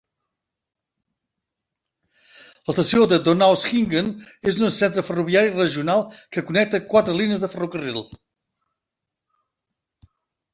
L'estació de Donaueschingen és un centre ferroviari regional que connecta quatre línies de ferrocarril.